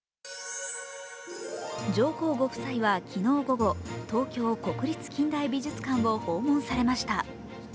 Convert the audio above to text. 上皇ご夫妻は昨日午後、東京国立近代美術館を訪問されました。